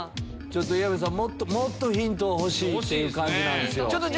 イヤミさんもっとヒント欲しいっていう感じなんですよ。